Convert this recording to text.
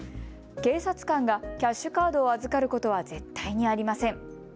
警察官がキャッシュカードを預かることは絶対にありません。